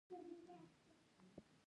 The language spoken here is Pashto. فکري تاریخ کې قدرت مقولې بحث نه دی.